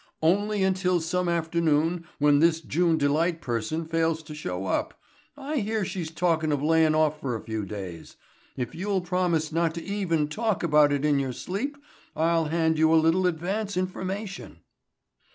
"Only until some afternoon when this June Delight person fails to show up,—I hear she's talkin' of layin' off for a few days. If you'll promise not to even talk about it in your sleep I'll hand you a little advance information."